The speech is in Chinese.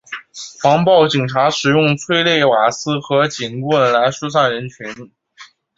防暴警察使用催泪瓦斯和警棍来疏散人群。